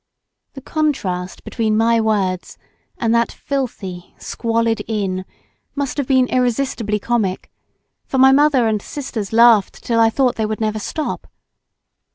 The contrast between my words and that filthy, squalid inn must have been irresistibly comic, for my mother and sisters laughed till I thought they would never stop.